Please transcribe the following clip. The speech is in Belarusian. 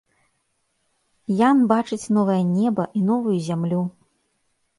Ян бачыць новае неба і новую зямлю.